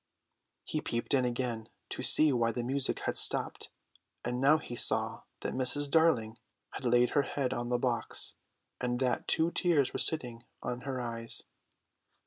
He peeped in again to see why the music had stopped, and now he saw that Mrs. Darling had laid her head on the box, and that two tears were sitting on her eyes.